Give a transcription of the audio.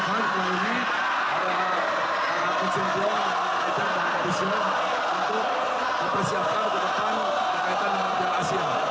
hari ini ada anggun anak yang bekerja untuk mempersiapkan ke depan keaitan piala asia